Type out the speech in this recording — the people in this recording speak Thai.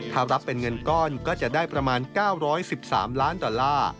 ถ้ารับเป็นเงินก้อนก็จะได้ประมาณ๙๑๓ล้านดอลลาร์